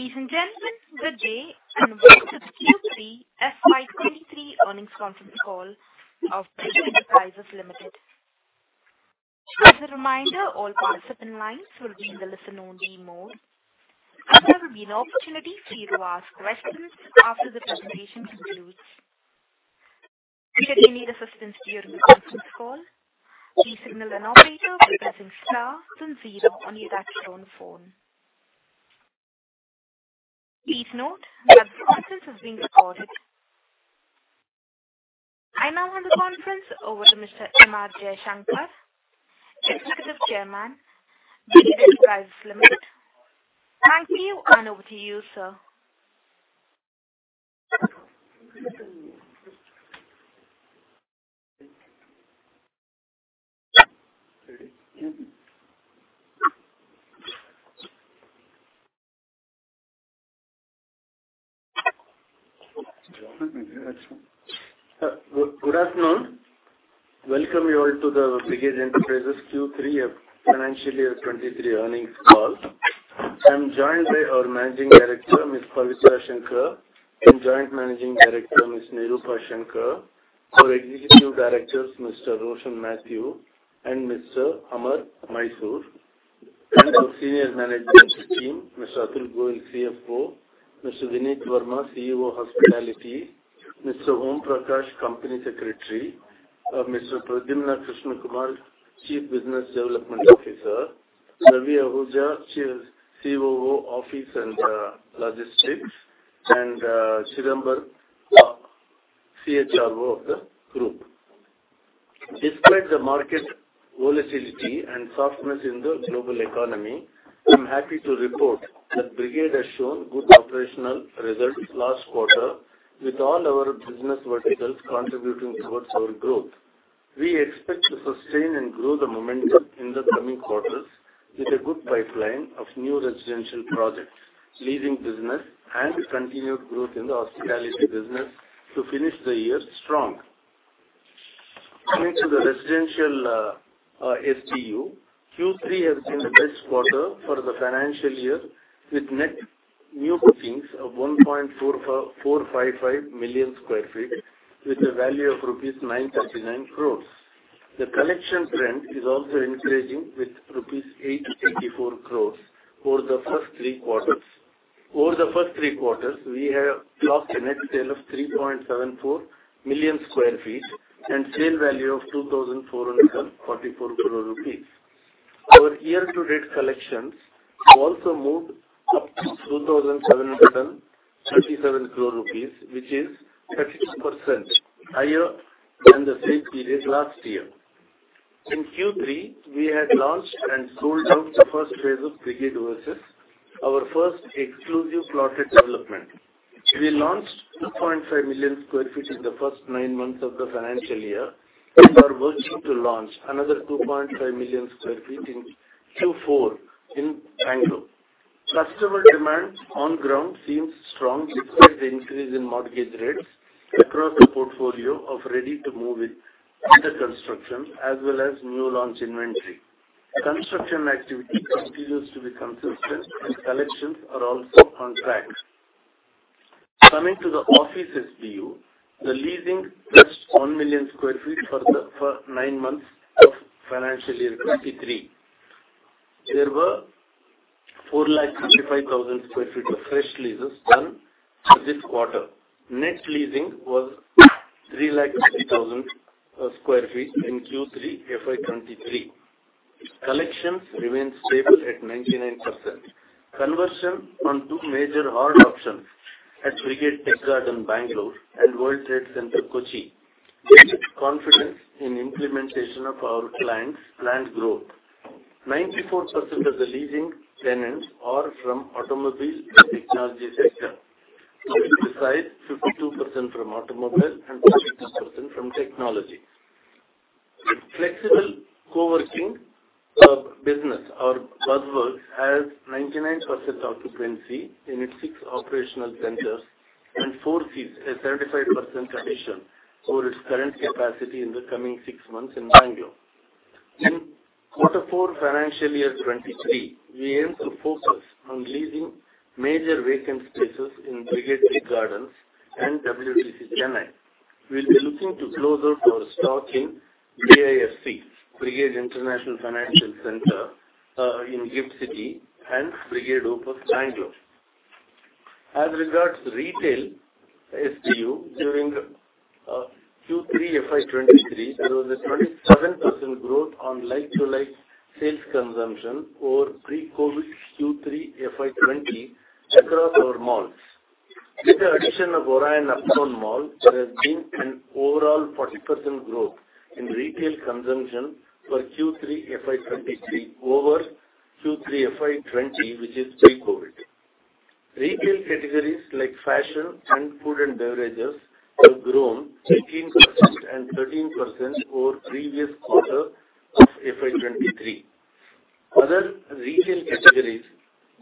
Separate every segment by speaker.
Speaker 1: Ladies and gentlemen, good day, and welcome to the Q3 FY23 earnings conference call of Brigade Enterprises Limited. As a reminder, all participant lines will be in the listen-only mode. There will be an opportunity for you to ask questions after the presentation concludes. If you need assistance during the conference call, please signal an operator by pressing star then 0 on your touchtone phone. Please note that the conference is being recorded. I now hand the conference over to Mr. M R Jaishankar, Executive Chairman, Brigade Enterprises Limited. Thank you. Over to you, sir.
Speaker 2: Good, good afternoon. Welcome you all to the Brigade Enterprises Q3 of financial year 23 earnings call. I'm joined by our Managing Director, Ms. Pavitra Shankar, and Joint Managing Director, Ms. Nirupa Shankar. Our Executive Directors, Mr. Roshin Mathew and Mr. Amar Mysore. Our senior management team, Mr. Atul Goyal, CFO, Mr. Vineet Verma, CEO Hospitality, Mr. Om Prakash, Company Secretary, Mr. Pradyumna Krishna Kumar, Chief Business Development Officer, Ravi Ahuja, COO Office and Logistics, and Chidambar, CHRO of the group. Despite the market volatility and softness in the global economy, I'm happy to report that Brigade has shown good operational results last quarter with all our business verticals contributing towards our growth. We expect to sustain and grow the momentum in the coming quarters with a good pipeline of new residential projects, leasing business, and continued growth in the hospitality business to finish the year strong. Coming to the residential SBU, Q3 has been the best quarter for the financial year with net new bookings of 1.455 million sq ft with a value of rupees 939 crores. The collection trend is also encouraging with rupees 884 crores for the first three quarters. Over the first three quarters, we have clocked a net sale of 3.74 million sq ft and sale value of 2,444 crores rupees. Our year-to-date collections have also moved up to 2,737 crores rupees, which is 30% higher than the same period last year. In Q3, we had launched and sold out the first phase of Brigade Versas, our first exclusive plotted development. We launched 2.5 million sq ft in the first nine months of the financial year and are working to launch another 2.5 million sq ft in Q4 in Bengaluru. Customer demand on ground seems strong despite the increase in mortgage rates across the portfolio of ready to move in, under construction, as well as new launch inventory. Construction activity continues to be consistent and collections are also on track. Coming to the office SBU, the leasing touched 1 million sq ft for the nine months of FY23. There were 455,000 sq ft of fresh leases done for this quarter. Net leasing was 350,000 sq ft in Q3 FY23. Collections remain stable at 99%. Conversion on two major hard options at Brigade Tech Garden, Bangalore and World Trade Center, Kochi built confidence in implementation of our clients' planned growth. 94% of the leasing tenants are from automobile technology sector. To be precise, 52% from automobile and 42% from technology. Flexible co-working business, our BuzzWorks has 99% occupancy in its six operational centers and foresees a 35% addition for its current capacity in the coming six months in Bangalore. In quarter four financial year 2023, we aim to focus on leasing major vacant spaces in Brigade Tech Gardens and WTC Chennai. We'll be looking to close out our stock in BIFC, Brigade International Finance Centre, in GIFT City and Brigade Opus, Bangalore. As regards retail SBU, during Q3 FY23, there was a 27% growth on like-to-like sales consumption over pre-COVID Q3 FY20 across our malls. With the addition of Orion uptown mall, there has been an overall 40% growth in retail consumption for Q3 FY23 over Q3 FY20, which is pre-COVID. Retail categories like fashion and food and beverages have grown 18% and 13% over previous quarter of FY23. Other retail categories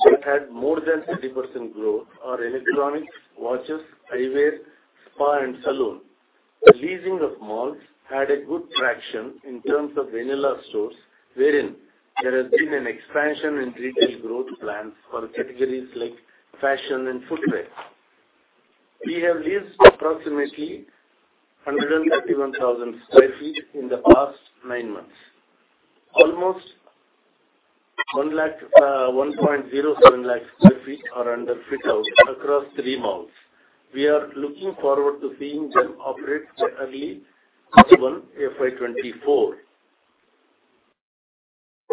Speaker 2: which had more than 30% growth are electronics, watches, eyewear, spa and salon. The leasing of malls had a good traction in terms of vanilla stores, wherein there has been an expansion in retail growth plans for categories like fashion and footwear. We have leased approximately 131,000 sq ft in the past nine months. INR 1.07 lakh sq ft are under fit-out across three malls. We are looking forward to seeing them operate early FY 2024.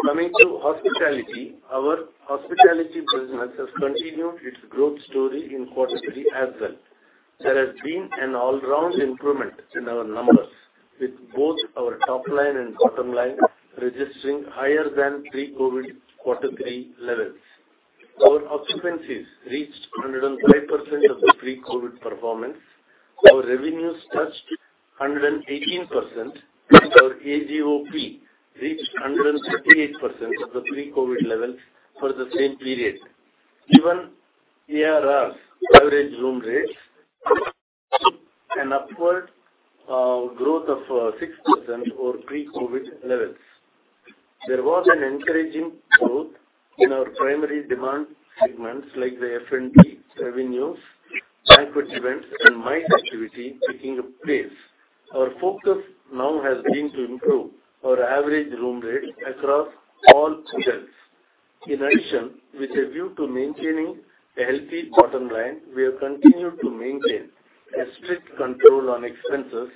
Speaker 2: Coming to hospitality, our hospitality business has continued its growth story in Q3 as well. There has been an all-round improvement in our numbers, with both our top line and bottom line registering higher than pre-COVID Q3 levels. Our occupancies reached 105% of the pre-COVID performance. Our revenues touched 118%, and our AGOP reached 138% of the pre-COVID levels for the same period. Even ARRs, average room rates, an upward growth of 6% over pre-COVID levels. There was an encouraging growth in our primary demand segments like the F&B revenues, banquet events, and MICE activity taking place. Our focus now has been to improve our average room rate across all hotels. In addition, with a view to maintaining a healthy bottom line, we have continued to maintain a strict control on expenses,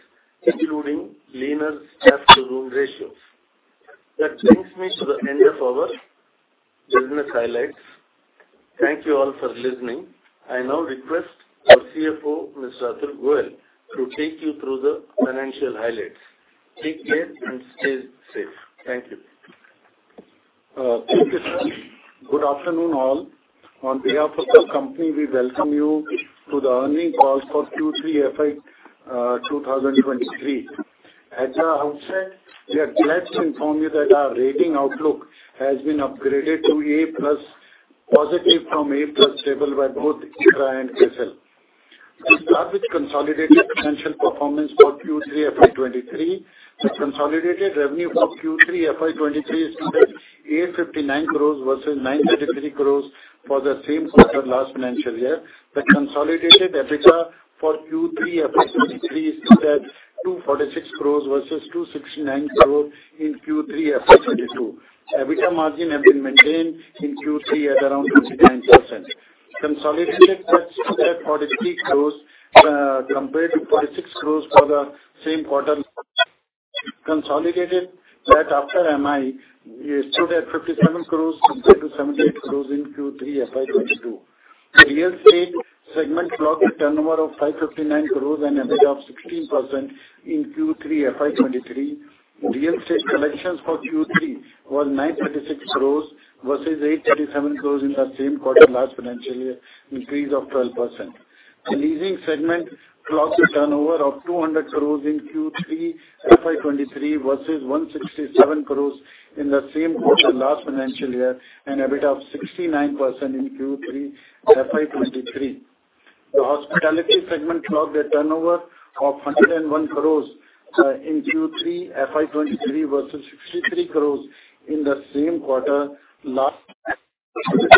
Speaker 2: including leaner staff-to-room ratios. That brings me to the end of our business highlights. Thank you all for listening. I now request our CFO, Mr. Atul Goyal, to take you through the financial highlights. Take care and stay safe. Thank you.
Speaker 3: Thank you, sir. Good afternoon, all. On behalf of the company, we welcome you to the earning call for Q3 FY 2023. At the outset, we are glad to inform you that our rating outlook has been upgraded to A+ positive from A+ stable by both ICRA and CRISIL. We start with consolidated financial performance for Q3 FY 23. The consolidated revenue for Q3 FY 23 stood at 859 crore versus 933 crore for the same quarter last financial year. The consolidated EBITDA for Q3 FY 23 stood at 246 crore versus 269 crore in Q3 FY 22. EBITDA margin have been maintained in Q3 at around 59%. Consolidated tax stood at 43 crore compared to 46 crore for the same quarter. Consolidated debt after MI stood at 57 crore compared to 78 crore in Q3 FY 22. Real estate segment clocked a turnover of 559 crores and EBITDA of 16% in Q3 FY23. Real estate collections for Q3 was 936 crores versus 837 crores in the same quarter last financial year, increase of 12%. The leasing segment clocked a turnover of 200 crores in Q3 FY23 versus 167 crores in the same quarter last financial year, and EBITDA of 69% in Q3 FY23. The hospitality segment clocked a turnover of 101 crores in Q3 FY23 versus 63 crores in the same quarter last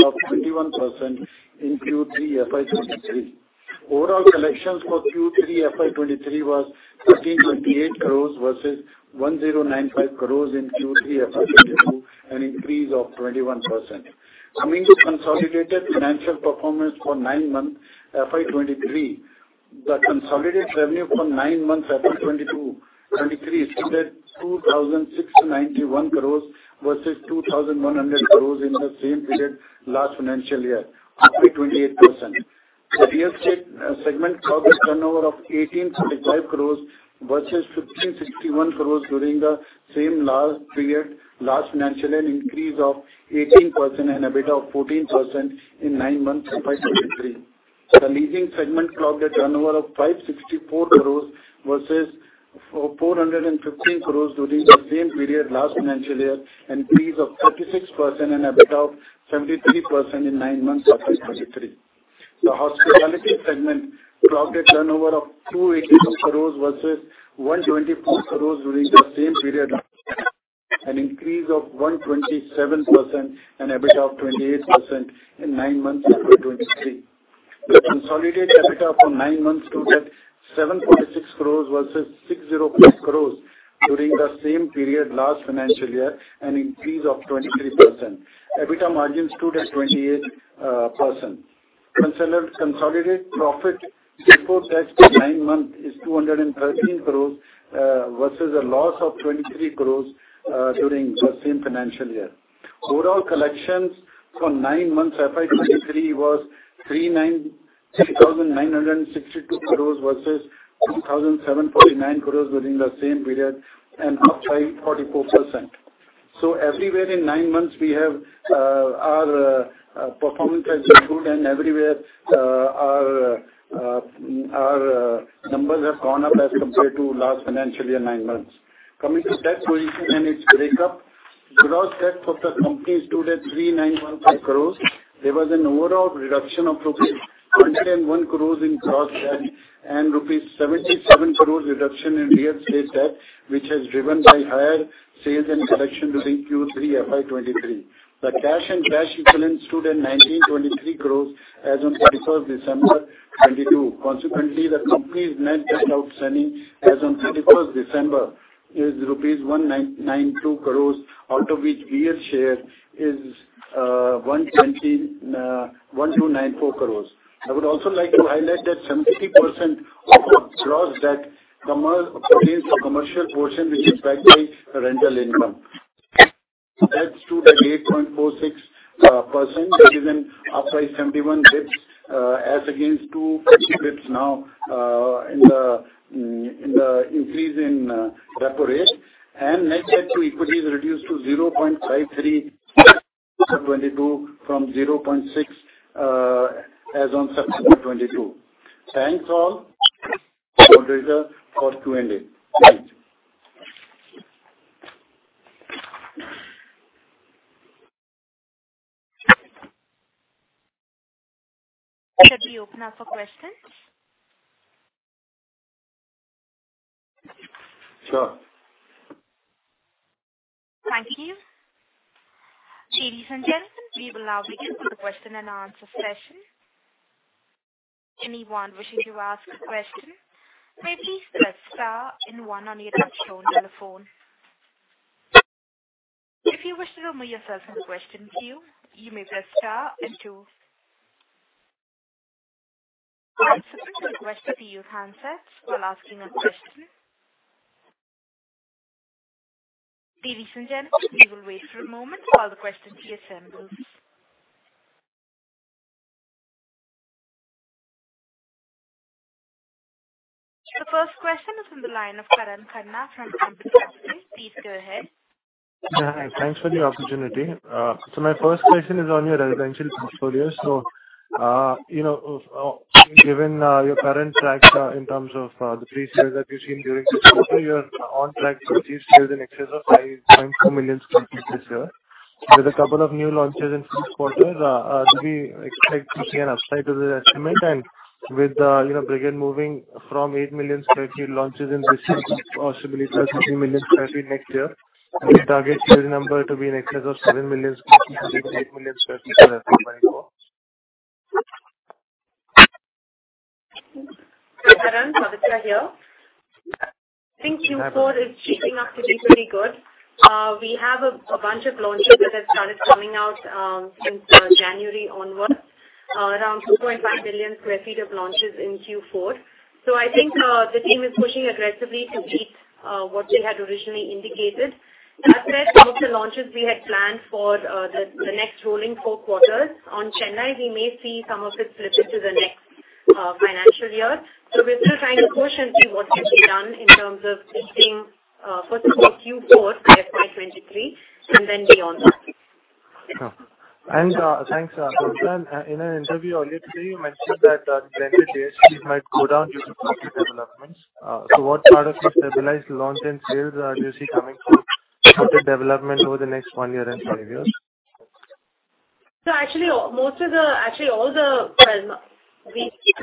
Speaker 3: of 21% in Q3 FY23. Overall collections for Q3 FY23 was 1,328 crores versus 1,095 crores in Q3 FY22, an increase of 21%. Coming to consolidated financial performance for nine months FY 2023, the consolidated revenue for nine months FY 2023 stood at 2,691 crores versus 2,100 crores in the same period last financial year, up by 28%. The real estate segment clocked a turnover of 1,835 crores versus 1,561 crores during the same last period, last financial, an increase of 18% and EBITDA of 14% in nine months FY 2023. The leasing segment clocked a turnover of 564 crores versus 415 crores during the same period last financial year, increase of 36% and EBITDA of 73% in nine months FY 2023. The hospitality segment clocked a turnover of 282 crores versus 124 crores during the same period, an increase of 127% and EBITDA of 28% in nine months FY23. The consolidated EBITDA for nine months stood at 7.6 crores versus 60.0 crores during the same period last financial year, an increase of 23%. EBITDA margin stood at 28%. Consolidated profit before tax for nine months is 213 crores versus a loss of 23 crores during the same financial year. Overall collections for nine months FY23 was 3,962 crores versus 2,749 crores within the same period, an up by 44%. Everywhere in nine months we have our performance has been good and everywhere our numbers have gone up as compared to last financial year nine months. Coming to debt position and its breakup. Gross debt of the company stood at 3,915 crores. There was an overall reduction of rupees 101 crores in gross debt and rupees 77 crores reduction in real estate debt, which has driven by higher sales and collection during Q3 FY23. The cash and cash equivalents stood at 1,923 crores as on December 31, 2022. Consequently, the company's net debt outstanding as on December 31 is rupees 1,992 crores, out of which we have shared is 1,294 crores. I would also like to highlight that 70% of the gross debt contains a commercial portion which is backed by rental income. Debt stood at 8.46%. That is an upside 71 basis points as against 2 basis points now in the increase in repo rate. Net debt to equity is reduced to 0.53 in 2022 from 0.6 as on September 2022. Thanks all. Quarter results are concluded. Thanks.
Speaker 1: Should we open now for questions?
Speaker 3: Sure.
Speaker 1: Thank you. Ladies and gentlemen, we will now begin the question and answer session. Anyone wishing to ask a question, please press star and one on your touch tone telephone. If you wish to remove yourself from the question queue, you may press star and two. Please mute your question queue handsets while asking a question. Ladies and gentlemen, we will wait for a moment while the question queue assembles. The first question is on the line of Karan Khanna from Ambit Capital. Please go ahead.
Speaker 4: Yeah. Hi. Thanks for the opportunity. My first question is on your residential portfolio. You know, given your current tracks in terms of the pre-sales that you've seen during this quarter, you're on track to achieve sales in excess of 5.4 million sq ft this year. With a couple of new launches in fourth quarter, do we expect to see an upside to the estimate? With the, you know, Brigade moving from 8 million sq ft launches in this year to possibly 13 million sq ft next year, do you target sales number to be in excess of 7 million sq ft-8 million sq ft for FY24?
Speaker 5: Karan, Pavitra here. I think Q4 is shaping up to be pretty good. We have a bunch of launches that have started coming out since January onwards, around 2.5 million sq ft of launches in Q4. I think the team is pushing aggressively to beat what they had originally indicated. As for how the launches we had planned for the next rolling four quarters. On Chennai, we may see some of it slip into the next financial year. We're still trying to caution through what can be done in terms of hitting first of all Q4 FY23 and then beyond that.
Speaker 4: Sure. Thanks. Pavitra, in an interview earlier today, you mentioned that rented ASPs might go down due to property developments. What part of the stabilized launch and sales are you seeing coming from the development over the next one year and five years?
Speaker 5: Actually, most of the, actually all the, well, we see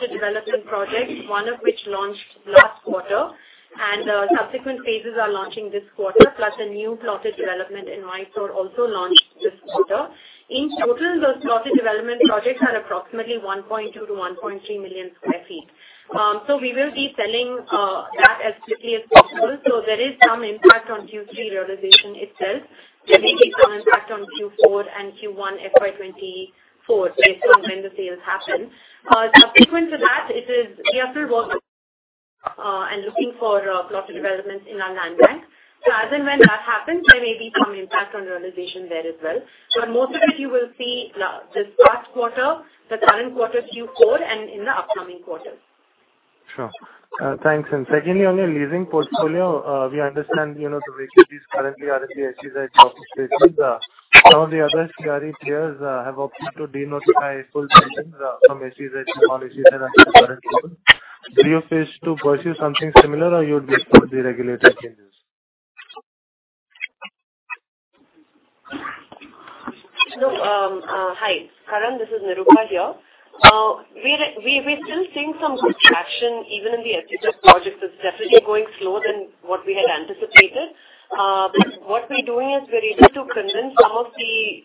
Speaker 5: the development projects, one of which launched last quarter, and subsequent phases are launching this quarter, plus a new plotted development in Mysore also launched this quarter. In total, the plotted development projects are approximately 1.2 million sq ft -1.3 million sq ft. We will be selling that as quickly as possible. There is some impact on Q3 realization itself. There may be some impact on Q4 and Q1 FY 2024 based on when the sales happen. Subsequent to that, we are still working and looking for plotted developments in our land bank. As and when that happens, there may be some impact on realization there as well. Most of it you will see this first quarter, the current quarter Q4, and in the upcoming quarters.
Speaker 4: Sure. Thanks. Secondly, on your leasing portfolio, we understand, you know, the vacancies currently are at the SEZ office spaces. Some of the other CRE peers have opted to denotify full buildings from SEZ to non-SEZ under current rules. Do you face to pursue something similar or you'll just follow the regulator changes?
Speaker 6: Hi, Karan, this is Nirupa here. We're still seeing some good traction even in the SEZ projects. It's definitely going slower than what we had anticipated. But what we're doing is we're able to convince some of the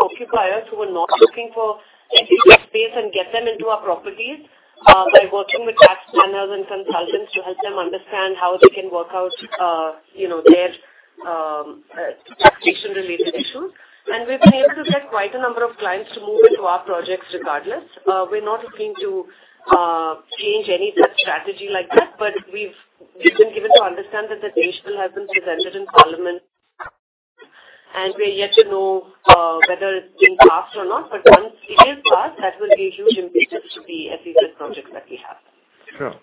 Speaker 6: occupiers who are not looking for SEZ space and get them into our properties by working with tax planners and consultants to help them understand how they can work out, you know, their taxation related issues. We've been able to get quite a number of clients to move into our projects regardless. We're not looking to change any such strategy like that, but we've been given to understand that the national has been presented in parliament, and we're yet to know whether it's been passed or not. Once it is passed, that will be a huge impetus to the SEZ projects that we have.
Speaker 4: Sure.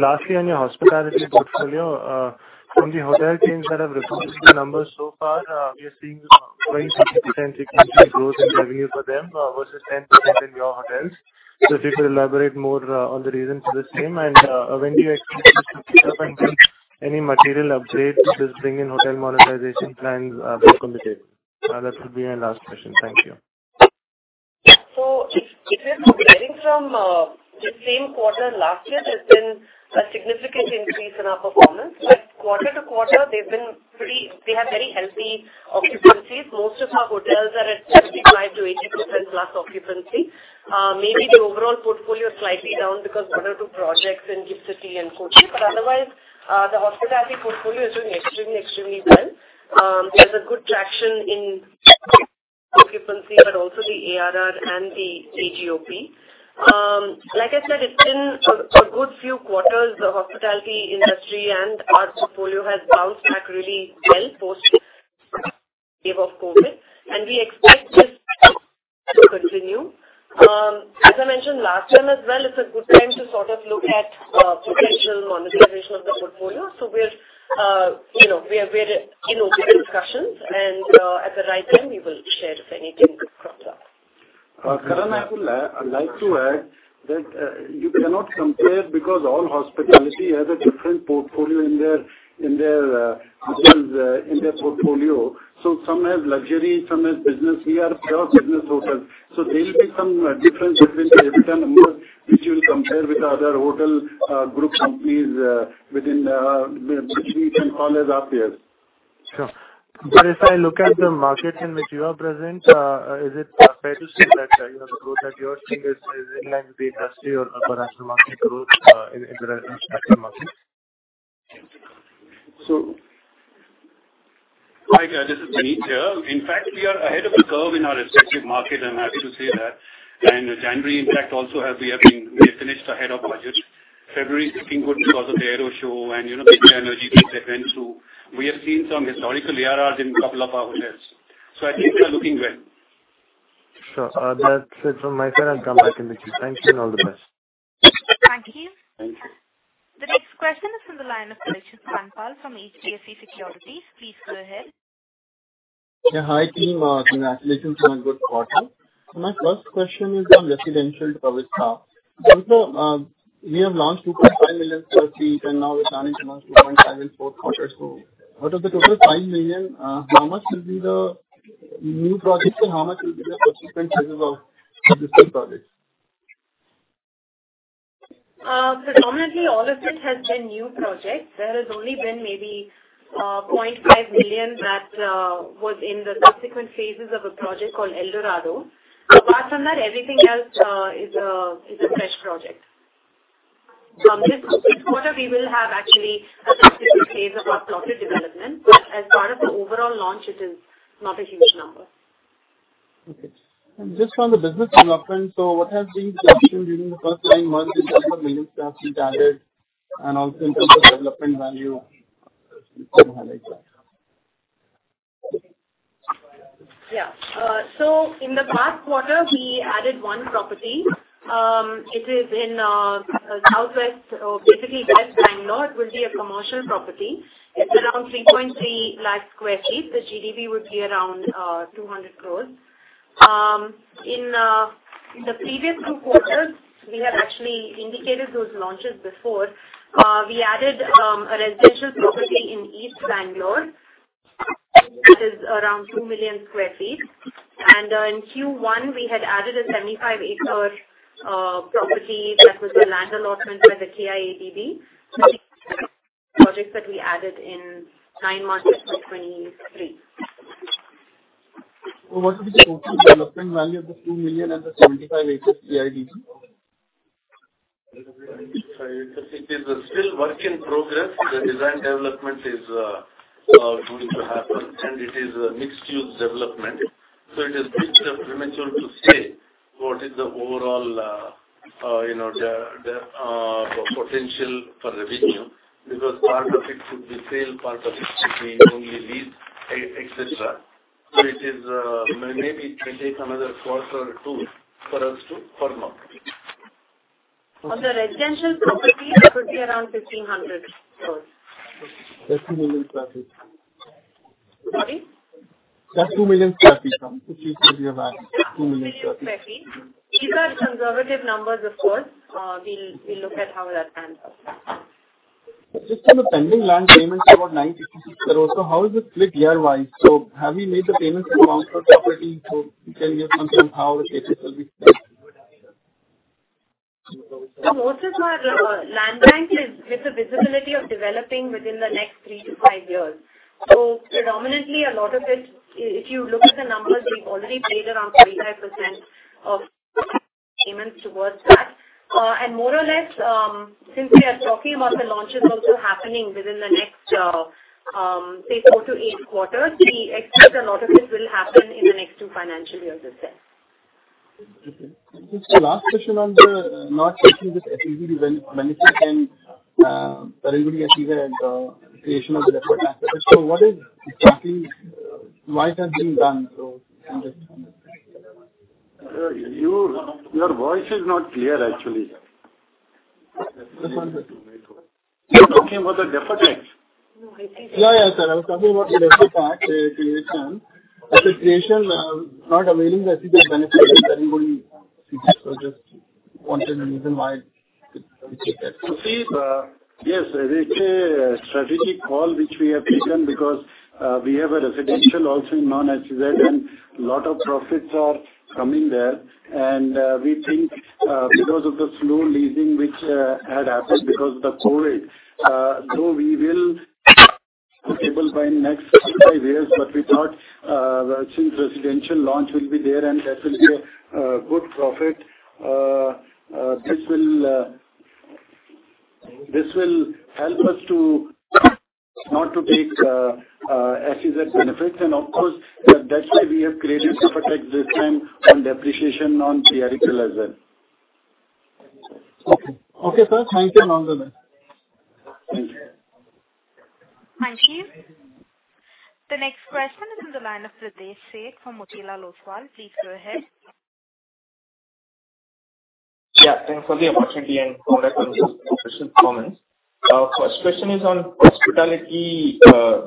Speaker 4: Lastly, on your hospitality portfolio, from the hotel chains that have reported the numbers so far, we are seeing 20% sequential growth in revenue for them, versus 10% in your hotels. If you could elaborate more on the reasons for the same and, when do you expect any material upgrades which will bring in hotel monetization plans back on the table? That will be my last question. Thank you.
Speaker 6: It is varying from the same quarter last year, there's been a significant increase in our performance. Quarter to quarter, they have very healthy occupancies. Most of our hotels are at 75%-80% plus occupancy. Maybe the overall portfolio is slightly down because one or two projects in GIFT City and Kochi. Otherwise, the hospitality portfolio is doing extremely well. There's a good traction in occupancy, but also the ARR and the AGOP. Like I said, it's been a good few quarters. The hospitality industry and our portfolio has bounced back really well post wave of COVID, and we expect this to continue. As I mentioned last time as well, it's a good time to sort of look at potential monetization of the portfolio. We are, you know, very, you know, open discussions and, at the right time we will share if anything crops up.
Speaker 2: Karan, I'd like to add that you cannot compare because all hospitality has a different portfolio in their, in their hotels, in their portfolio. Some have luxury, some have business. We are pure business hotels. There will be some difference between the RevPAR numbers which you'll compare with other hotel group companies within each and corners of theirs.
Speaker 4: Sure. If I look at the market in which you are present, is it fair to say that, you know, the growth that you are seeing is in line with the industry or upper national market growth in the residential sector market?
Speaker 2: So-
Speaker 7: Hi, this is Sunith here. In fact, we are ahead of the curve in our respective market, I'm happy to say that. January, in fact, we have finished ahead of budget. February is looking good because of the Aero show and, you know, the energy which that went through. We have seen some historical ARRs in couple of our hotels. I think we are looking well.
Speaker 4: Sure. That's it from my side. I'll come back in the queue. Thank you and all the best.
Speaker 1: Thank you.
Speaker 7: Thank you.
Speaker 1: The next question is from the line of Parikshit Kandpal from HDFC Securities. Please go ahead.
Speaker 8: Yeah. Hi, team. Congratulations on a good quarter. My first question is on residential projects. We have launched 2.5 million sq ft and now we're planning to launch 2.5 in fourth quarter. Out of the total 5 million, how much will be the new projects and how much will be the subsequent phases of existing projects?
Speaker 5: Predominantly all of it has been new projects. There has only been maybe, 0.5 million that was in the subsequent phases of a project called Eldorado. Apart from that, everything else is a fresh project. This quarter we will have actually a subsequent phase of our plotted development, but as part of the overall launch it is not a huge number.
Speaker 8: Okay. Just on the business development, what has been the addition during the first nine months in terms of million square feet added and also in terms of development value if you can highlight that?
Speaker 5: Yeah. In the past quarter we added one property. It is in southwest or basically West Bangalore. It will be a commercial property. It's around 3.3 lakh square feet. The GDP would be around 200 crores. In the previous two quarters, we have actually indicated those launches before. We added a residential property in East Bangalore. It is around 2 million sq ft. In Q1 we had added a 75 acre property that was a land allotment by the KIADB. Projects that we added in nine months of 2023.
Speaker 8: What is the total development value of the 2 million and the 75 acres KIADB?
Speaker 2: It is still work in progress. The design development is going to happen. It is a mixed-use development, so it is bit premature to say what is the overall, you know, the potential for revenue because part of it could be sale, part of it could be only lease, etcetera. It is maybe it will take another quarter or two for us to firm up.
Speaker 5: On the residential property it could be around 1,500 crore.
Speaker 8: That's 2 million sq ft.
Speaker 5: Sorry?
Speaker 8: That's 2 million sq ft, ma'am, which you said you have added. 2 million sq ft.
Speaker 5: 2 million sq ft. These are conservative numbers, of course. We'll look at how that pans out.
Speaker 8: Just on the pending land payments about 956 crores. How is it split year-wise? Have you made the payments for property so we can hear something how it will be split?
Speaker 5: Most of our land bank is a visibility of developing within the next three to five years. Predominantly a lot of it, if you look at the numbers, we've already paid around 35% of payments towards that. And more or less, since we are talking about the launches also happening within the next say four to eight quarters, we expect a lot of this will happen in the next two financial years itself.
Speaker 8: Okay. Just the last question on the, not actually this FBB manifestation, but it will be actually the, creation of the network effect. What is the timing? Why it has been done? Can you just-
Speaker 2: Your voice is not clear actually.
Speaker 3: You're talking about the pre-tax?
Speaker 8: No, yeah, sir. I was talking about the pre-tax creation. At the creation, not availing the benefit of anybody. Just wanted a reason why we take that.
Speaker 3: You see, yes, it is a strategic call which we have taken because, we have a residential also in Non-SEZ and lot of profits are coming there. We think, because of the slow leasing which had happened because of the COVID. We will able by next 2-5 years. We thought, since residential launch will be there and that will be a good profit, this will help us to, not to take, SEZ benefits. That's why we have created pre-tax this time and depreciation on theoretical as well.
Speaker 8: Okay. Okay, sir. Thank you.
Speaker 1: Thank you. Thank you. The next question is on the line of Pritesh Sheth from Motilal Oswal. Please go ahead.
Speaker 9: Yeah, thanks for the opportunity and congrats on this official comments. First question is on hospitality,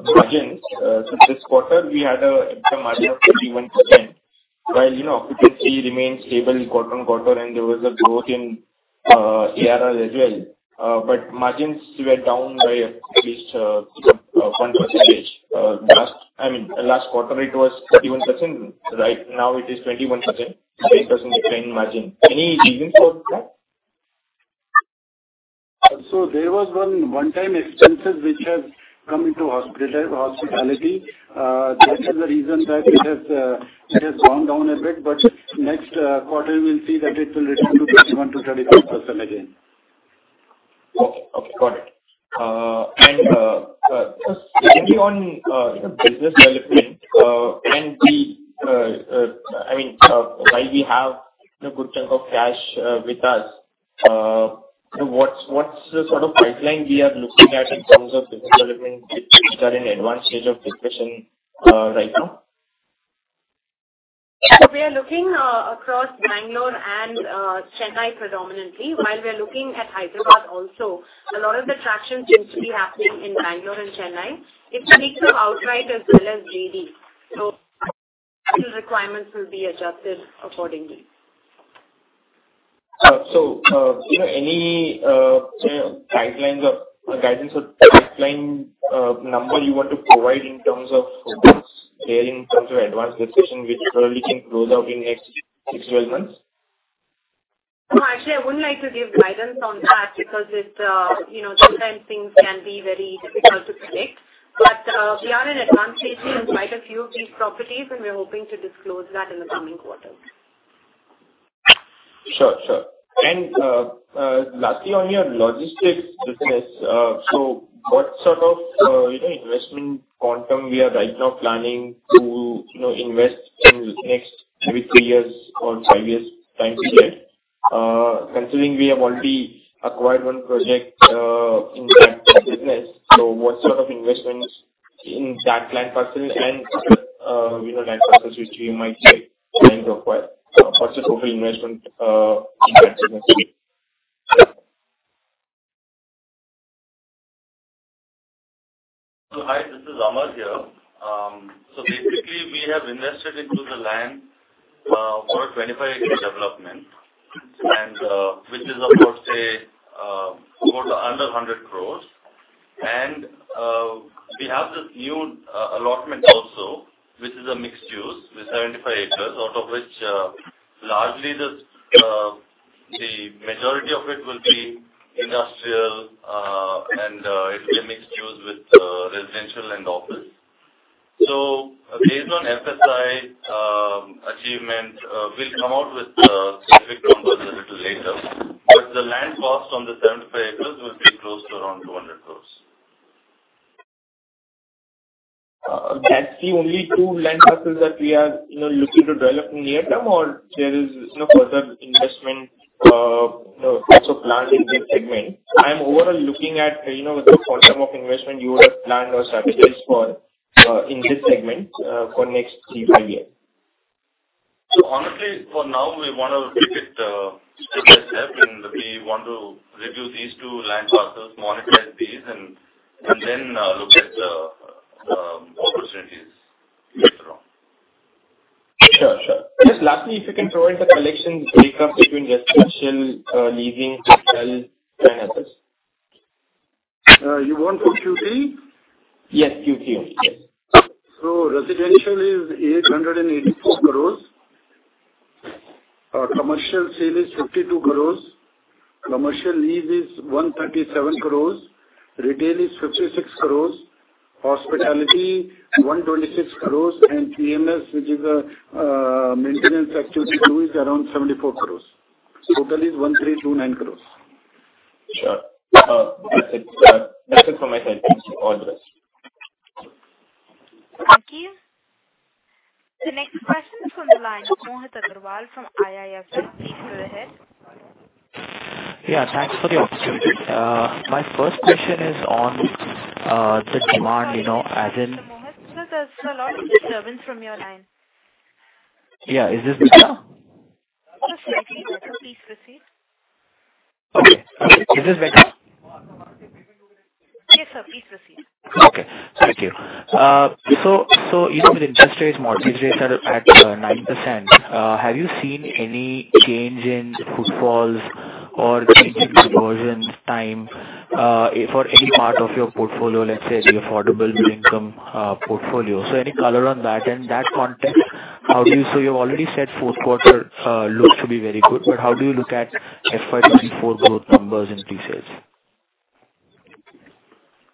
Speaker 9: margins. So this quarter we had an EBITDA margin of 31%, while, you know, occupancy remains stable quarter-on-quarter, and there was a growth in ARR as well. Margins were down by at least 1 percentage. I mean, last quarter it was 31%. Right now it is 21%. 8% decline in margin. Any reasons for that?
Speaker 3: There was one-time expenses which have come into hospitality. That is the reason that it has gone down a bit, but next quarter we'll see that it will return to 21%-25% again.
Speaker 9: Okay. Okay, got it. Maybe on business development, I mean, while we have a good chunk of cash with us, what's the sort of pipeline we are looking at in terms of business development which are in advanced stage of discussion right now?
Speaker 5: We are looking across Bengaluru and Chennai predominantly, while we are looking at Hyderabad also. A lot of the traction seems to be happening in Bengaluru and Chennai. It's a mix of outright as well as JD. Requirements will be adjusted accordingly.
Speaker 9: You know, any, say, guidelines or guidance or pipeline, number you want to provide in terms of focus there in terms of advanced discussion which probably can close out in next 6-12 months?
Speaker 5: Actually, I wouldn't like to give guidance on that because it's, you know, sometimes things can be very difficult to predict. We are in advanced stages in quite a few of these properties, and we are hoping to disclose that in the coming quarters.
Speaker 9: Sure, sure. lastly on your logistics business. What sort of, you know, investment quantum we are right now planning to, you know, invest in next maybe three years or five years time period? Considering we have already acquired 1 project in that business. What sort of investments in that land parcel and, you know, land parcels which we might plan to acquire? What's the total investment in that business?
Speaker 10: Hi, this is Aamar here. Basically we have invested into the land for a 25 acre development and which is of course for under 100 crores. We have this new allotment also, which is a mixed use with 75 acres, out of which largely the majority of it will be industrial and it will be mixed use with residential and office. Based on FSI achievement, we'll come out with specific numbers a little later. The land cost on the 75 acres will be close to around 200 crores.
Speaker 9: That's the only two land parcels that we are, you know, looking to develop near-term or there is no further investment, you know, also planned in this segment. I'm overall looking at, you know, the quantum of investment you would have planned or set aside for, in this segment, for next three, five year.
Speaker 10: Honestly, for now we want to keep it status quo, and we want to reduce these 2 land parcels, monetize these and then look at opportunities later on.
Speaker 9: Sure, sure. Just lastly, if you can provide the collections break up between residential, leasing, hotel and others?
Speaker 3: You want for Q3?
Speaker 9: Yes, Q3. Yes.
Speaker 3: Residential is 884 crores. Commercial sale is 52 crores. Commercial lease is 137 crores. Retail is 56 crores. Hospitality 126 crores. PMS, which is maintenance activity too, is around 74 crores. Total is 1,329 crores.
Speaker 9: Sure. That's it. That's it from my side. Thanks for all this.
Speaker 1: Thank you. The next question is from the line of Mohit Agarwal from IIFL. Please go ahead.
Speaker 11: Yeah, thanks for the opportunity. My first question is on the demand, you know.
Speaker 1: Mohit, there's a lot of disturbance from your line.
Speaker 11: Yeah. Is this better?
Speaker 1: Yes, sir. Please proceed.
Speaker 11: Okay. Is this better?
Speaker 1: Yes, sir. Please proceed.
Speaker 11: Okay, thank you. So you know with interest rates, mortgage rates are at 9%. Have you seen any change in footfalls or change in conversions time for any part of your portfolio, let's say the affordable middle income portfolio? Any color on that? In that context, how do you? You've already said fourth quarter looks to be very good. How do you look at FY 24 growth numbers in pre-sales?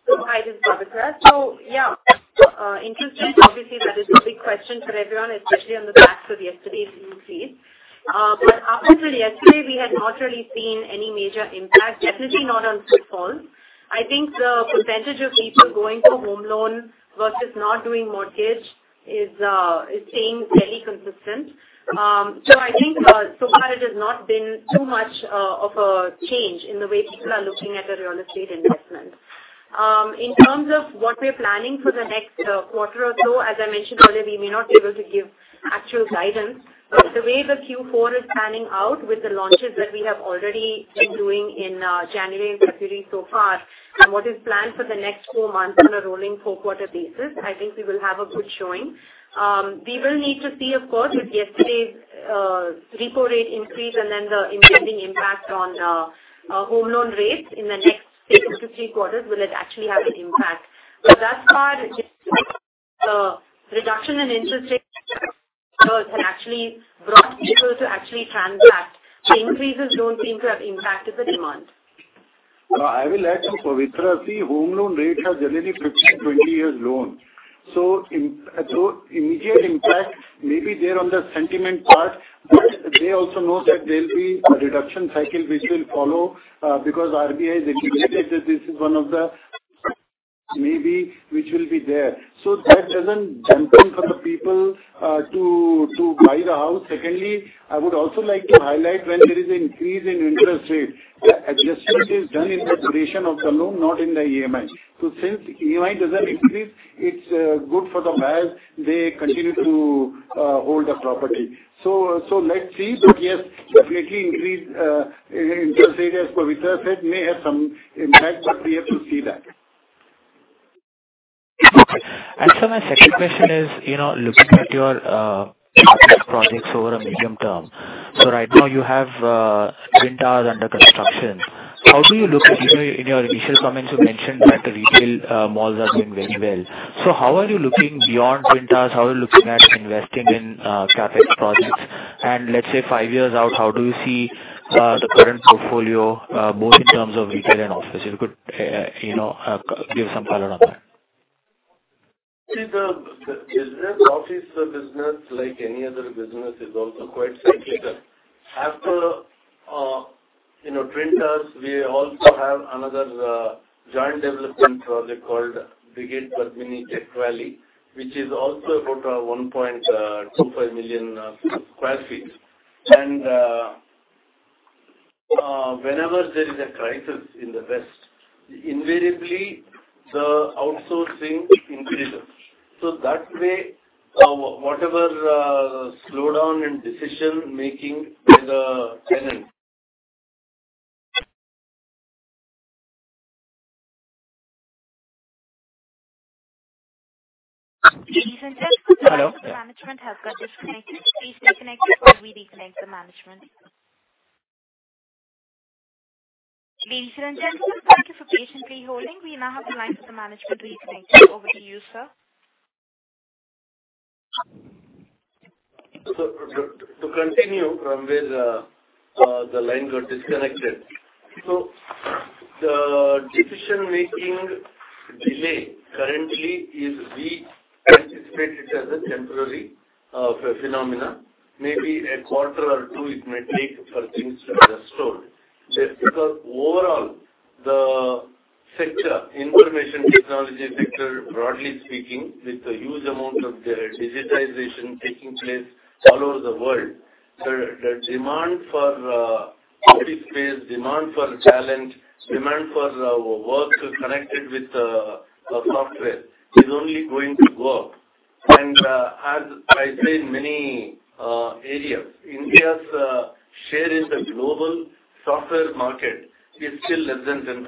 Speaker 5: Hi, this is Pavitra. Yeah, interesting. Obviously, that is the big question for everyone, especially on the back of yesterday's increase. Up until yesterday, we had not really seen any major impact, definitely not on footfalls. I think the percentage of people going for home loan versus not doing mortgage is staying fairly consistent. I think so far it has not been too much of a change in the way people are looking at a real estate investment. In terms of what we're planning for the next quarter or so, as I mentioned earlier, we may not be able to give actual guidance. The way the Q4 is panning out with the launches that we have already been doing in January and February so far and what is planned for the next four months on a rolling four-quarter basis, I think we will have a good showing. We will need to see of course with yesterday's repo rate increase and then the impending impact on home loan rates in the next two to three quarters, will it actually have an impact? Thus far, the reduction in interest rates has actually brought people to actually transact. The increases don't seem to have impacted the demand.
Speaker 2: I will add to Pavitra. Home loan rate has generally 15, 20 years loan. Immediate impact may be there on the sentiment part, but they also know that there'll be a reduction cycle which will follow because RBI has indicated that this is one of the maybe which will be there. That doesn't jump in for the people to buy the house. Secondly, I would also like to highlight when there is an increase in interest rate, the adjustment is done in the duration of the loan, not in the EMI. Since EMI doesn't increase, it's good for the buyers. They continue to hold the property. Let's see. Yes, definitely increase in interest rate, as Pavitra said, may have some impact, but we have to see that.
Speaker 11: Okay. Sir, my second question is, you know, looking at your projects over a medium term. Right now you have Twin Towers under construction. In your initial comments, you mentioned that the retail malls are doing very well. How are you looking beyond Twin Towers? How are you looking at investing in CapEx projects? Let's say 5 years out, how do you see the current portfolio both in terms of retail and office? If you could, you know, give some color on that.
Speaker 2: See the business, office business, like any other business, is also quite cyclical. After, you know, Twin Towers, we also have another joint development project called Brigade Padmini Tech Valley, which is also about 1.25 million square feet. Whenever there is a crisis in the West, invariably the outsourcing increases. That way, whatever slowdown in decision-making by the tenant.
Speaker 1: Ladies and gentlemen, some of the management has got disconnected. Please stay connected while we reconnect the management. Ladies and gentlemen, thank you for patiently holding. We now have the lines of the management reconnected. Over to you, sir.
Speaker 2: To continue from where the line got disconnected. The decision-making delay currently is we anticipate it as a temporary phenomena. Maybe a quarter or two it may take for things to stall. Just because overall the sector, information technology sector, broadly speaking, with the huge amount of digitization taking place all over the world, the demand for office space, demand for talent, demand for work connected with software is only going to go up. As I say in many areas, India's share in the global software market is still less than 10%.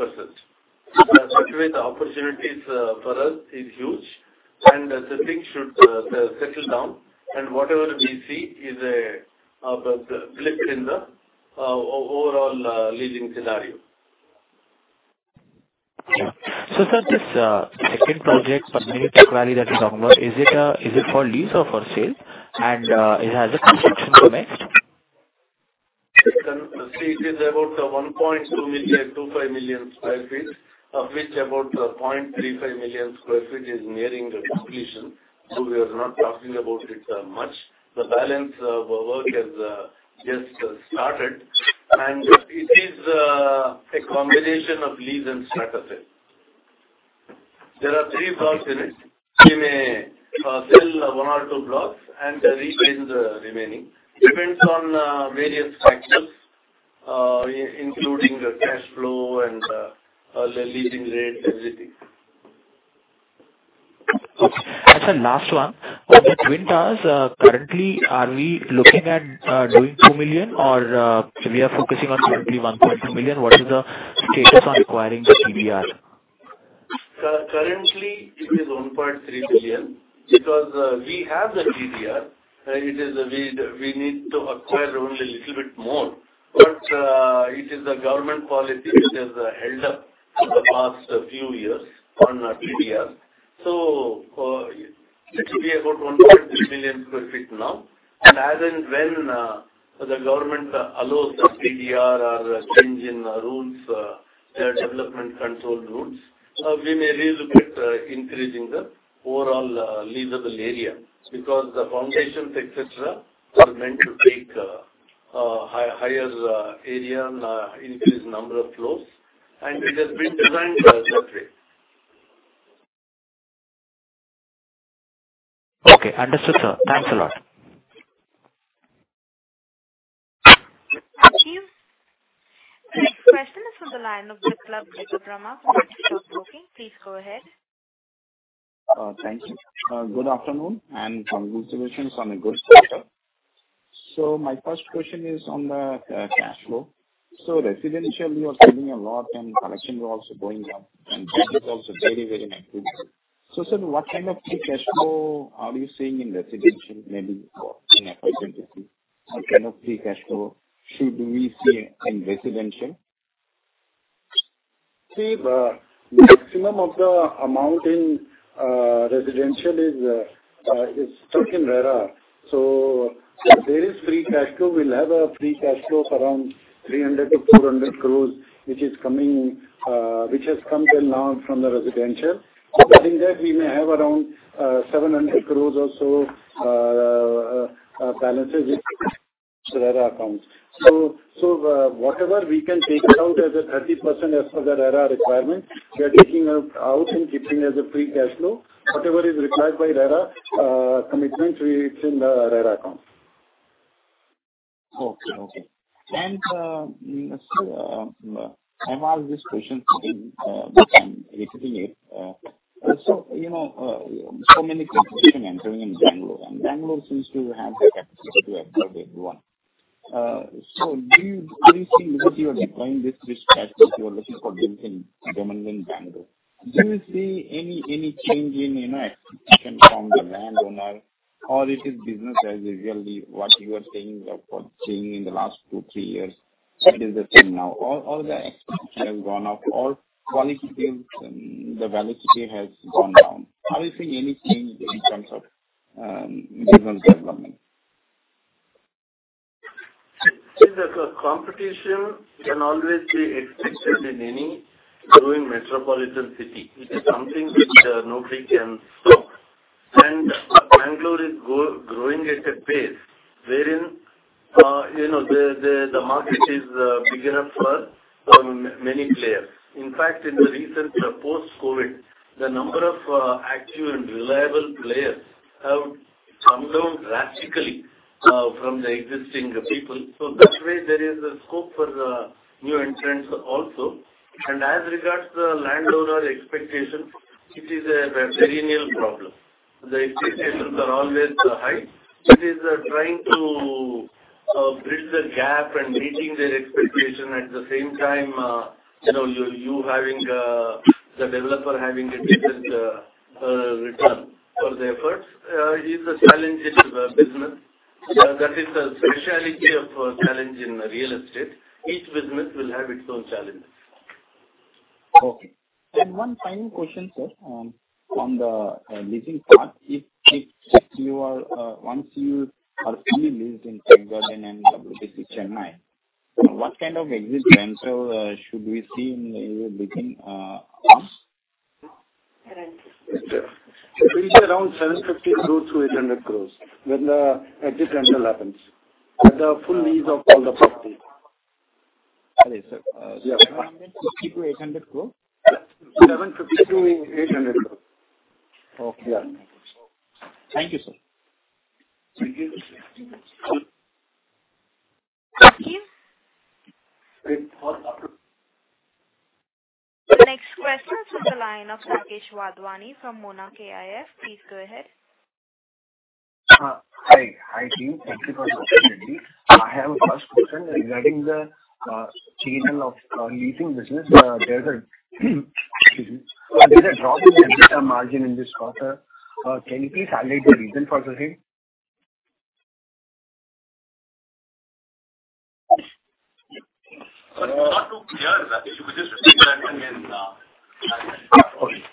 Speaker 2: That way the opportunities for us is huge and the things should settle down and whatever we see is a blip in the overall leasing scenario.
Speaker 11: Sir, this second project, Padmani Tech Valley that you're talking about, is it for lease or for sale? It has a construction commenced?
Speaker 2: See it is about 1.2 million sq ft, 25 million sq ft, of which about 0.35 million square feet is nearing the completion. We are not talking about it much. The balance of work has just started. It is a combination of lease and strata sale. There are three blocks in it. We may sell one or two blocks and lease in the remaining. Depends on various factors, including the cash flow and the leasing rate, everything.
Speaker 11: Okay. Sir, last one. On the twin towers, currently are we looking at doing 2 million or we are focusing on currently 1.2 million? What is the status on acquiring the GDR?
Speaker 2: Currently it is 1.3 billion because we have the GDR. We need to acquire only a little bit more. It is the government policy which has held up for the past few years on our GDR.
Speaker 11: Okay.
Speaker 2: it should be about 1.3 million sq ft now. As and when the government allows the GDR or change in rules, their development control rules, we may relook at increasing the overall leasable area because the foundations, et cetera, are meant to take higher area and increase number of floors, and it has been designed that way.
Speaker 11: Okay. Understood, sir. Thanks a lot.
Speaker 1: Achieve. The next question is from the line of Biplab Debbarma from Antique Stock Broking. Please go ahead.
Speaker 12: Thank you. Good afternoon and congratulations on a good quarter. My first question is on the cash flow. Residentially you are selling a lot and collection were also going up, and that is also very, very good. Sir, what kind of free cash flow are you seeing in residential, maybe or in a percentage? What kind of free cash flow should we see in residential?
Speaker 2: See, the maximum of the amount in residential is stuck in RERA. If there is free cash flow, we'll have a free cash flow of around 300 crore-400 crore, which is coming, which has come till now from the residential. I think that we may have around 700 crore or so, balances with RERA accounts. Whatever we can take out as a 30% as per the RERA requirement, we are taking out and keeping as a free cash flow. Whatever is required by RERA commitment, we keep in the RERA account.
Speaker 12: Okay. Okay. I've asked this question again, but I'm repeating it. You know, so many competition entering in Bangalore, and Bangalore seems to have the capacity to absorb everyone. Do you see because you are deploying this risk strategy, you are looking for development in Bangalore? Do you see any change in, you know, expectation from the landowner or it is business as usual what you are saying or seeing in the last two, three years? It is the same now. All the expectation have gone up. All quality teams and the velocity has gone down. Are you seeing any change in terms of business development?
Speaker 2: See, the competition can always be expected in any growing metropolitan city. It is something which nobody can stop. Bangalore is growing at a pace wherein, you know, the, the market is big enough for many players. In fact, in the recent post-COVID, the number of active and reliable players have come down drastically from the existing people. That way there is a scope for the new entrants also. As regards the landowner expectation, it is a very real problem. The expectations are always high. It is trying to bridge the gap and meeting their expectation at the same time, you know, you having the developer having a decent return for the efforts, is the challenge in the business. That is the specialty of challenge in real estate. Each business will have its own challenges.
Speaker 12: Okay. one final question, sir. on the leasing part, if you are once you are fully leased in Tech Garden and WTC Chennai, what kind of exit rental should we see in the written arms?
Speaker 2: It's, it will be around 750 crore-800 crore when the exit rental happens at the full lease of all the property.
Speaker 12: Sorry, sir. INR 750 crore-INR 800 crore?
Speaker 2: INR 750 crore-INR 800 crore.
Speaker 12: Okay.
Speaker 2: Yeah.
Speaker 12: Thank you, sir.
Speaker 2: Thank you.
Speaker 1: Achieve.
Speaker 2: Wait, hold on.
Speaker 1: The next question is from the line of Rakesh Wadhwani from Monarch AIF. Please go ahead.
Speaker 13: Hi. Hi, team. Thank you for the opportunity. I have a first question regarding the channel of leasing business. There is a excuse me. There is a drop in the EBITDA margin in this quarter. Can you please highlight the reason for the same?
Speaker 2: It's not too clear. If you could just repeat that one again.
Speaker 13: Okay. Okay.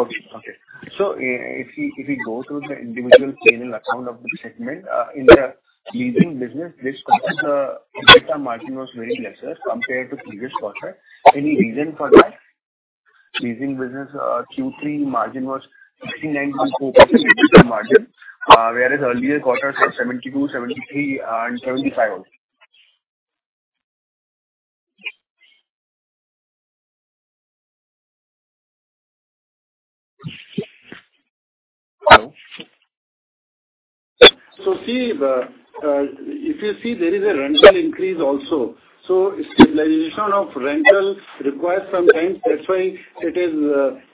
Speaker 13: Okay. If we go through the individual channel account of the segment, in the leasing business, this quarter's EBITDA margin was very lesser compared to previous quarter. Any reason for that? Leasing business, Q3 margin was 69.4% EBITDA margin, whereas earlier quarters were 72%, 73%, and 75% also.
Speaker 3: See the, if you see, there is a rental increase also. Stabilization of rental requires some time. That's why it is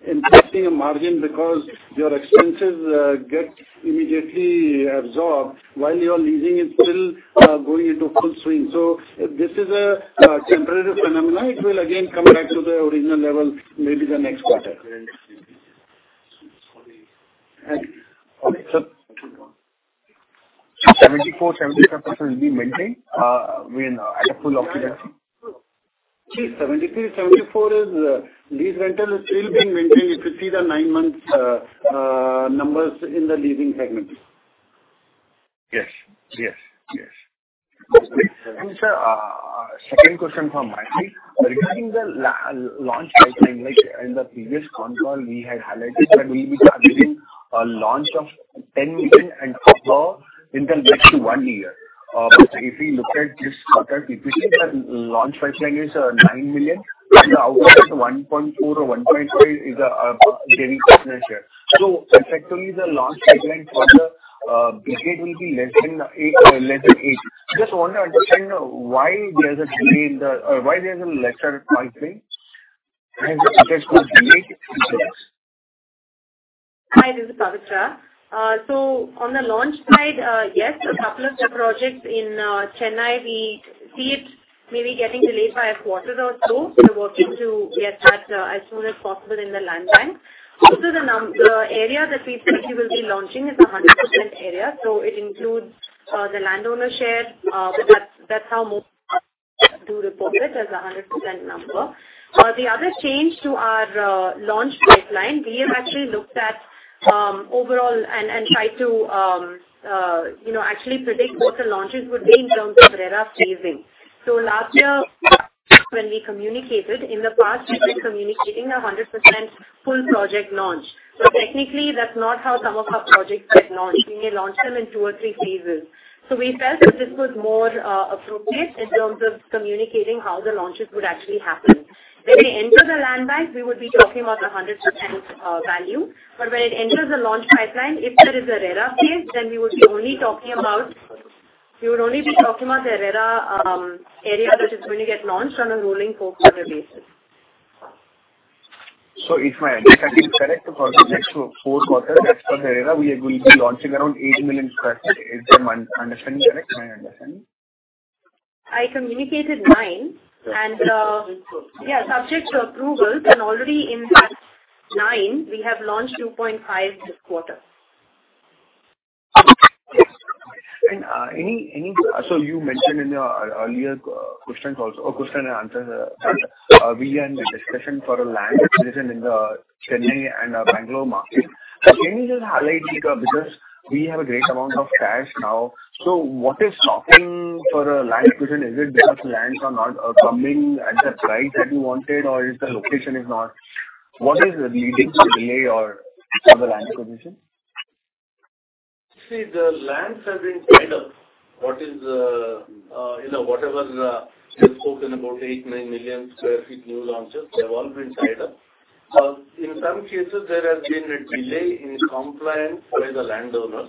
Speaker 3: impacting the margin because your expenses get immediately absorbed while your leasing is still going into full swing. This is a temporary phenomenon. It will again come back to the original level, maybe the next quarter.
Speaker 13: Okay. 74, 75% will be maintained, when at a full occupancy?
Speaker 3: 73, 74 is these rentals still being maintained. If you see the nine months numbers in the leasing segment.
Speaker 2: Yes. Yes. Yes.
Speaker 13: Sir, second question from my end. Regarding the launch pipeline, like in the previous con call we had highlighted that we'll be having a launch of 10 million and above in the next one year. If we look at this quarter, we see the launch pipeline is 9 million and out of that 1.4 million or 1.5 million is joint venture. Effectively the launch pipeline for Brigade will be less than 8 million, less than INR 8 million. Just want to understand why there's a delay in the. Why there's a lesser pipeline and the project got delayed?
Speaker 5: Hi, this is Pavitra. So on the launch side, yes, a couple of the projects in Chennai we see it maybe getting delayed by a quarter or two. We're working to get that as soon as possible in the land bank. Also the area that we typically will be launching is 100% area. It includes the landowner share. That's, that's how most do report it, as a 100% number. The other change to our launch pipeline, we have actually looked at overall and and tried to, you know, actually predict what the launches would be in terms of RERA phasing. Last year when we communicated, in the past we've been communicating a 100% full project launch. Technically that's not how some of our projects get launched. We may launch them in ttwo or three phases. We felt that this was more appropriate in terms of communicating how the launches would actually happen. When we enter the land bank, we would be talking about a 100% value. When it enters the launch pipeline, if there is a RERA phase, we would only be talking about the RERA area that is going to get launched on a rolling quarter basis.
Speaker 13: If my understanding is correct, for the next four quarters as per RERA, we will be launching around 8 million sq ft. Is my understanding correct?
Speaker 5: I communicated nine and, yeah, subject to approvals and already in that nine we have launched 2.5 this quarter.
Speaker 13: Yes. You mentioned in your earlier questions also, question and answer that we are in discussion for a land acquisition in the Chennai and Bangalore market. Can you just highlight because we have a great amount of cash now. What is stopping for a land acquisition? Is it because lands are not coming at the price that you wanted or if the location is not? What is leading to delay or for the land acquisition?
Speaker 2: See, the lands have been tied up. What is, you know, whatever is, we have spoken about 8-9 million sq ft new launches, they've all been tied up. In some cases there has been a delay in compliance by the landowners,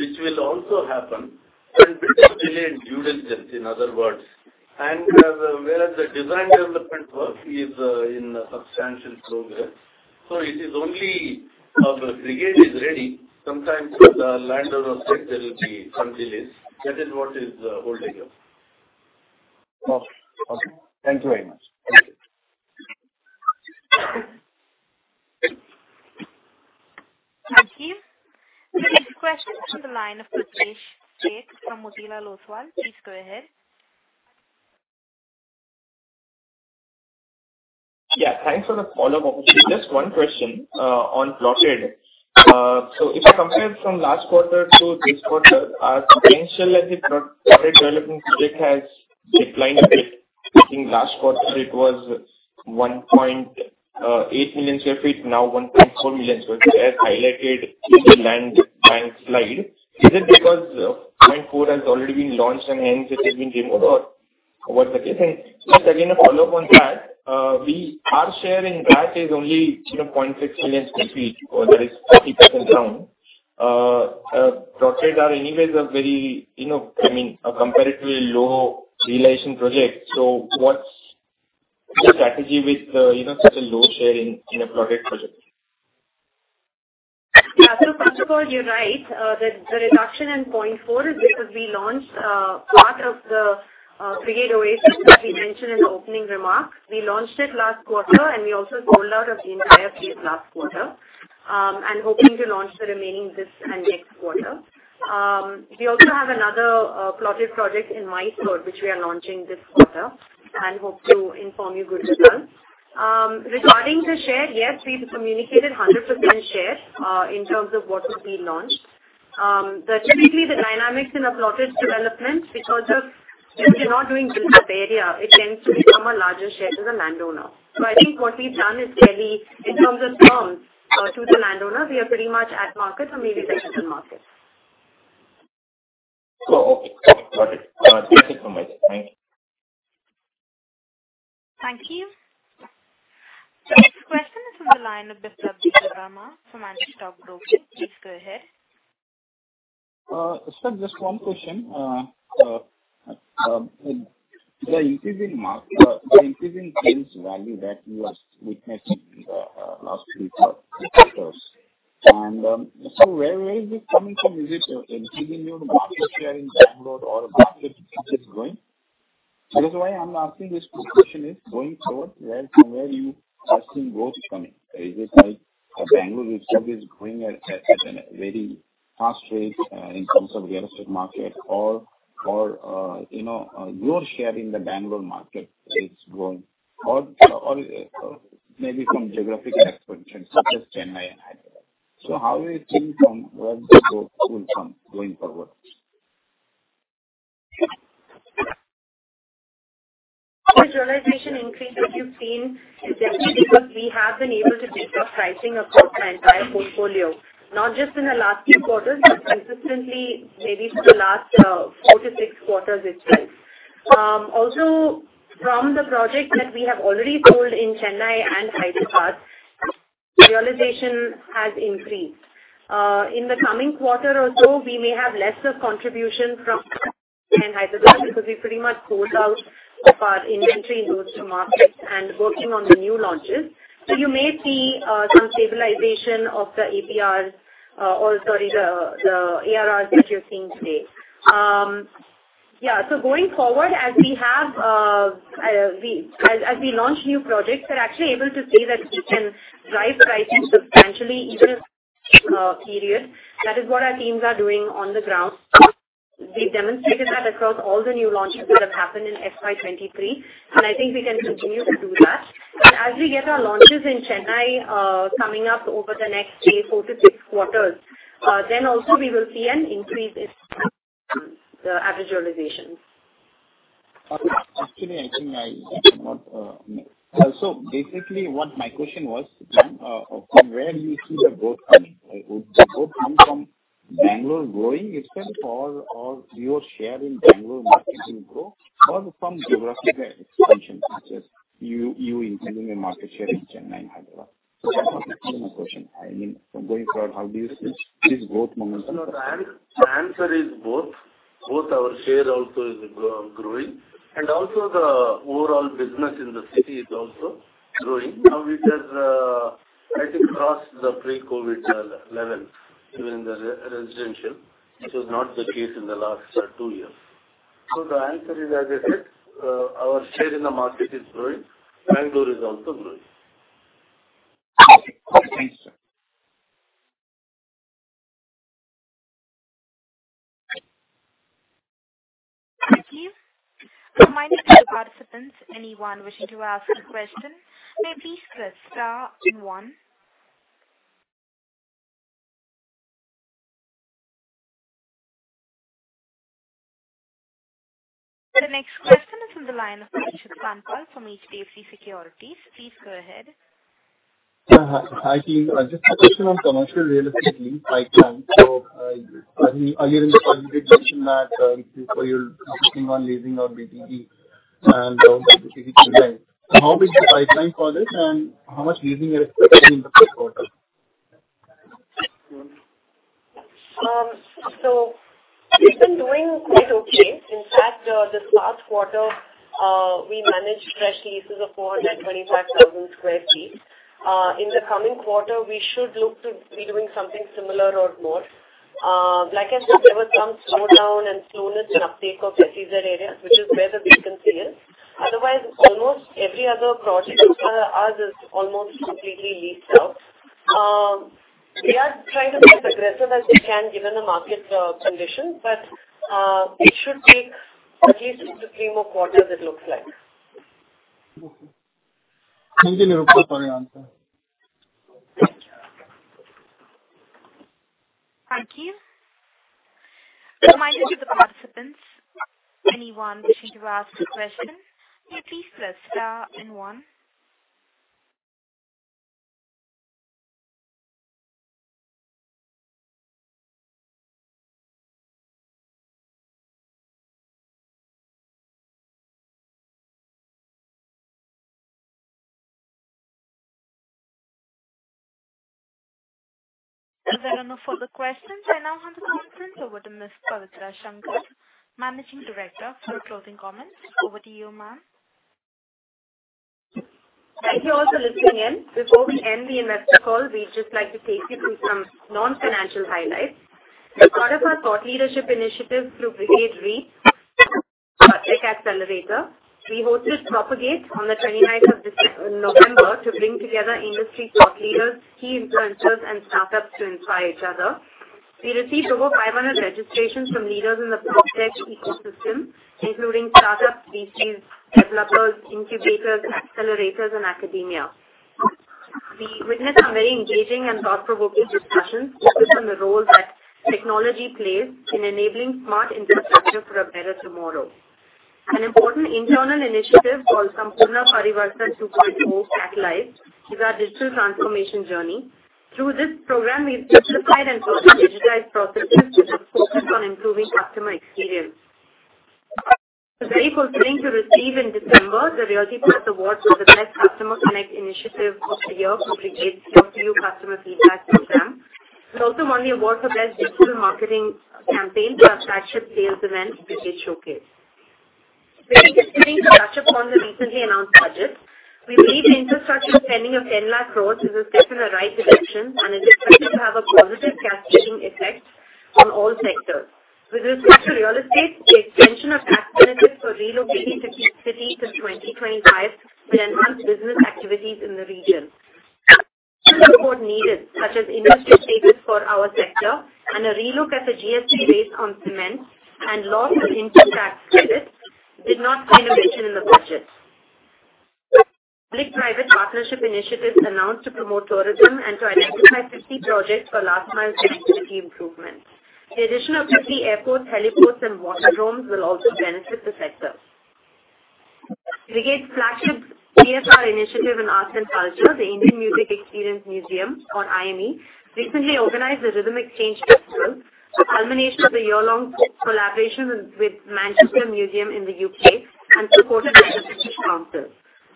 Speaker 2: which will also happen. Bit of delay in due diligence, in other words. Whereas the design development work is in substantial progress. It is only, Brigade is ready. Sometimes with the landowner site there will be some delays. That is what is holding up.
Speaker 13: Okay. Okay. Thank you very much.
Speaker 2: Thank you.
Speaker 1: Thank you. Next question is from the line of Pritesh Sheth from Motilal Oswal. Please go ahead.
Speaker 9: Yeah, thanks for the follow-up opportunity. Just one question on plotted. If you compare from last quarter to this quarter, potential as a plotted development project has declined a bit. I think last quarter it was 1.8 million sq ft, now 1.4 million sq ft, as highlighted in the land bank slide. Is it because 0.4 has already been launched and hence it has been removed, or what's the case? Just again a follow-up on that. Our share in that is only, you know, 0.6 million sq ft or that is 30% down. Plotted are anyways a very, you know, I mean, a comparatively low realization project. What's the strategy with, you know, such a low share in a plotted project?
Speaker 5: Yeah. First of all, you're right. The reduction in 0.4 is because we launched part of the Brigade Oasis that we mentioned in opening remarks. We launched it last quarter and we also sold out of the entire phase last quarter. Hoping to launch the remaining this and next quarter. We also have another plotted project in Whitefield which we are launching this quarter and hope to inform you good results. Regarding the share, yes, we've communicated 100% share in terms of what would be launched. Typically the dynamics in a plotted development because of, since you're not doing built-up area, it tends to become a larger share to the landowner. I think what we've done is fairly in terms of terms, to the landowner, we are pretty much at market or maybe slightly above market.
Speaker 9: Oh, okay. Got it. Thank you so much.
Speaker 1: Thank you. Line of Biswadeep Sharma from Axis Stock Brokers. Please go ahead.
Speaker 14: Sir, just one question. The increase in sales value that you are witnessing in the last few quarters. Where is this coming from? Is it increasing your market share in Bengaluru or Bengaluru is growing? The reason why I'm asking this question is going forward, from where you are seeing growth coming? Is it like Bengaluru itself is growing at a very fast rate in terms of real estate market or your share in the Bengaluru market is growing or maybe from geographic expansion such as Chennai and Hyderabad. How you think from where the growth will come going forward?
Speaker 5: The realization increase that you've seen is mainly because we have been able to take up pricing across our entire portfolio. Not just in the last few quarters, but consistently maybe for the last 4 to 6 quarters itself. Also from the projects that we have already sold in Chennai and Hyderabad, realization has increased. In the coming quarter or so, we may have lesser contribution from Chennai and Hyderabad because we pretty much sold out our inventory in those two tmarkets and working on the new launches. You may see some stabilization of the APRs, or sorry, the ARRs that you're seeing today. Yeah. Going forward, as we have, As we launch new projects, we're actually able to say that we can drive pricing substantially even in period. That is what our teams are doing on the ground. They've demonstrated that across all the new launches that have happened in FY 23, and I think we can continue to do that. As we get our launches in Chennai, coming up over the next say four to six quarters, then also we will see an increase in the average realization.
Speaker 14: Okay. Actually, I think I got it now. Basically what my question was, ma'am, from where do you see the growth coming? Would the growth come from Bengaluru growing itself or your share in Bengaluru market will grow or from geographic expansion such as you increasing your market share in Chennai and Hyderabad? That was actually my question. I mean, from going forward, how do you see this growth momentum?
Speaker 2: The answer is both. Both our share also is growing and also the overall business in the city is also growing. Now it has, I think, crossed the pre-COVID level even in the residential, which was not the case in the last two years. The answer is, as I said, our share in the market is growing. Bangalore is also growing.
Speaker 14: Okay. Thanks, sir.
Speaker 1: Thank you. A reminder to participants, anyone wishing to ask a question, may please press star then one. The next question is from the line of Bishak Sankar from HDFC Securities. Please go ahead.
Speaker 15: Hi. Hi, Keerthi. Just a question on commercial real estate link pipeline. Earlier in the call you did mention that, you know, you're focusing on leasing or BTT and BTT to rent. How big is the pipeline for this and how much leasing are you expecting in the first quarter?
Speaker 6: We've been doing quite okay. In fact, this last quarter, we managed fresh leases of 425,000 square feet. In the coming quarter, we should look to be doing something similar or more. Like I said, there was some slowdown and slower uptake of SEZ areas, which is where the vacancy is. Otherwise, almost every other project, ours is almost completely leased out. We are trying to be as aggressive as we can given the market condition. It should take at least 2-3 more quarters it looks like.
Speaker 15: Okay. Thank you, Nirupa, for your answer.
Speaker 1: Thank you. Thank you. A reminder to the participants, anyone wishing to ask a question, may please press star then one. As there are no further questions, I now hand the conference over to Ms. Pavitra Shankar, Managing Director, for closing comments. Over to you, ma'am.
Speaker 5: Thank you all for listening in. Before we end the investor call, we'd just like to take you through some non-financial highlights. As part of our thought leadership initiative through Brigade REAP, our tech accelerator, we hosted Propagate on the 29th of November to bring together industry thought leaders, key influencers and startups to inspire each other. We received over 500 registrations from leaders in the proptech ecosystem, including startups, VCs, developers, incubators, accelerators and academia. We witnessed a very engaging and thought-provoking discussion focused on the role that technology plays in enabling smart infrastructure for a better tomorrow. An important internal initiative called Sampoorna Parivartan 2.0 Catalyze is our digital transformation journey. Through this program, we've simplified and further digitized processes which have focused on improving customer experience. We're very pleased to receive in December the Realty Plus Award for the Best Customer Connect Initiative of the Year for Brigade's Year to You customer feedback program. We also won the award for Best Digital Marketing Campaign for our flagship sales event, Brigade Showcase. Very quickly to touch upon the recently announced budget. We believe the infrastructure spending of 10 lakh crore is a step in the right direction, and it is likely to have a positive cascading effect on all sectors. With respect to real estate, the extension of tax benefits for redeveloping cities till 2025 will enhance business activities in the region. Other support needed, such as industry status for our sector and a relook at the GST rates on cement and loss of input tax credits did not find a mention in the budget. Public-private partnership initiatives announced to promote tourism and to identify 50 projects for last mile connectivity improvements. The addition of 50 airports, heliports and water drones will also benefit the sector. Brigade's flagship CSR initiative in arts and culture, the Indian Music Experience Museum, or IME, recently organized the Rhythm Exchange Festival, the culmination of the year-long collaboration with Manchester Museum in the U.K. and supported by the British Council.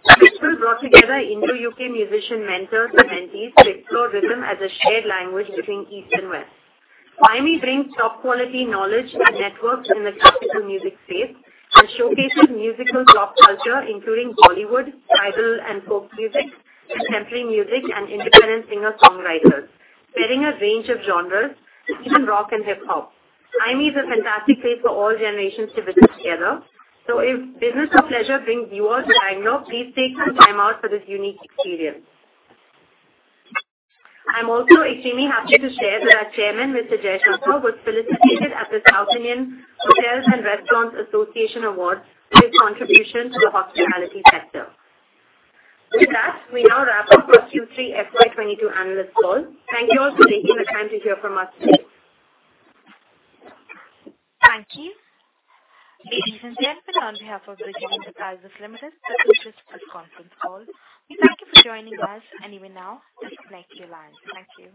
Speaker 5: The festival brought together Indo-U.K. musician mentors and mentees to explore rhythm as a shared language between East and West. IME brings top quality knowledge and networks in the classical music space and showcases musical pop culture, including Bollywood, tribal and folk music, contemporary music and independent singer-songwriters, spanning a range of genres, even rock and hip-hop. IME is a fantastic place for all generations to visit together, so if business or pleasure brings you all to Bangalore, please take some time out for this unique experience. I'm also extremely happy to share that our Chairman, Mr. M R Jaishankar, was felicitated at the Thousand Indian Hotels and Restaurants Association Awards for his contribution to the hospitality sector. With that, we now wrap up our Q3 FY22 analyst call. Thank you all for taking the time to hear from us today.
Speaker 1: Thank you. Ladies and gents, that's been on behalf of Brigade Enterprises Limited conclusion to this conference call. We thank you for joining us, and you may now disconnect your lines. Thank you.